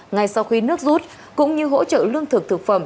ngay sau khi nước rút cũng như hỗ trợ lương thực thực phẩm